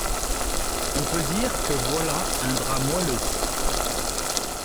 On peut dire que voilà un drap moelleux…